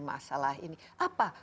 masalah ini apa